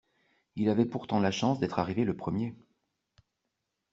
Il avait pourtant la chance d'être arrivé le premier.